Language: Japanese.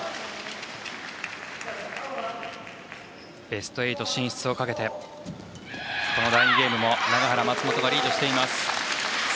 ベスト８進出をかけてこの第２ゲームも永原、松本がリード。